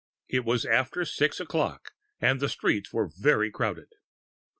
It was after six o'clock and the streets were very crowded.